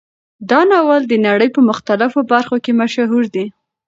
دا ناول د نړۍ په مختلفو برخو کې مشهور دی.